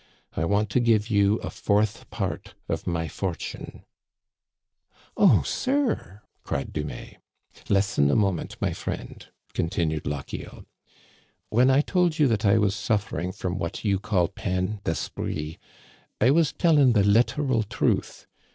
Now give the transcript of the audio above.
I want to give you a fourth part of my fortune." Digitized by VjOOQIC CONCLUSION, 279 " Oh, sir !" cried Dumais. " Listen a moment, my friend," continued Lochiel. When I told you that I was suffering from what you call ^ peine d*esprit^ I was telling the literal truth.